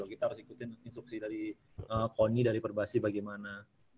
kita harus ikutin instruksi dari kony dari perbahasi bagaimana